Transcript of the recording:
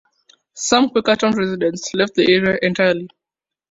Some Quakertown residents left the area entirely.